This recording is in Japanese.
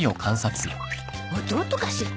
弟かしら。